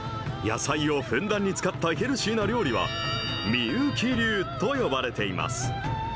野菜をふんだんに使ったヘルシーな料理は、美幸流と呼ばれています。